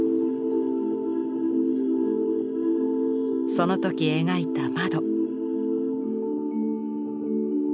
その時描いた窓。